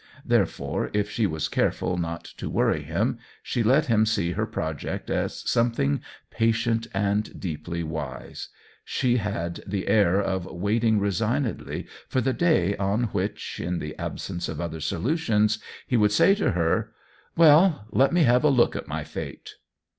Therefore, if she was careful not to worry him, she let him see her project as something patient and deeply wise ; she had the air of waiting THE WHEEL OF TIME l^ resignedly for the day on which, in the ab sence of other solutions, he would say to her :" Well, let me have a look at my fate